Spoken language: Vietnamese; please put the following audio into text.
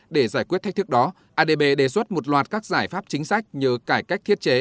để giải quyết thách thức đó adb đề xuất một loạt các giải pháp chính sách như cải cách thiết chế